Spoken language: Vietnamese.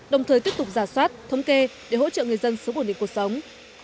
đồng thời tiếp tục giả soát thống kê để hỗ trợ người dân sớm ổn định cuộc sống